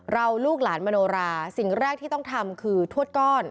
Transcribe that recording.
ลูกหลานมโนราสิ่งแรกที่ต้องทำคือทวดก้อน